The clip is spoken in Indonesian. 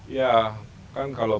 ya kan kalau